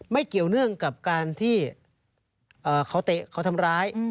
เกี่ยวเนื่องกับการที่เขาเตะเขาทำร้าย